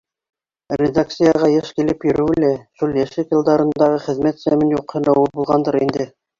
Редакцияға йыш килеп йөрөүе лә шул йәшлек йылдарындағы хеҙмәт сәмен юҡһыныуы булғандыр инде...